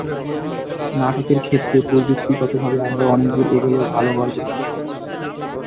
নাটকের ক্ষেত্রে প্রযুক্তিগতভাবে আমরা অনেক দূর এগোলেও ভালো গল্পের খুব সংকট।